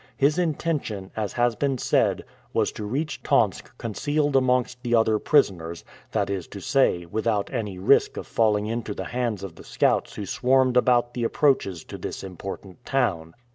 His intention, as has been said, was to reach Tomsk concealed amongst the other prisoners; that is to say, without any risk of falling into the hands of the scouts who swarmed about the approaches to this important town.